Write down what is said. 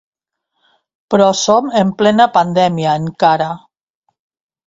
Però som en plena pandèmia, encara.